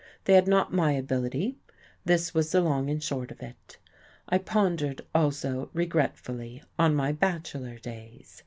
They had not my ability; this was the long and short of it.... I pondered also, regretfully, on my bachelor days.